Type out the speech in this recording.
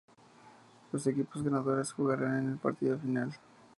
Los equipos ganadores jugarán en el partido final.